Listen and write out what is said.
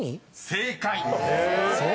［正解！］